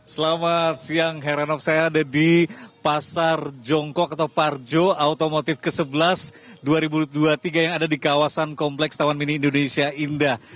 selamat siang heranov saya ada di pasar jongkok atau parjo automotif ke sebelas dua ribu dua puluh tiga yang ada di kawasan kompleks taman mini indonesia indah